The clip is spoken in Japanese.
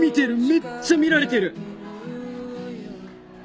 めっちゃ見られてる！